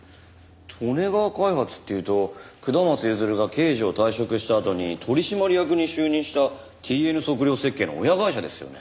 利根川開発っていうと下松譲が刑事を退職したあとに取締役に就任したＴＮ測量設計の親会社ですよね。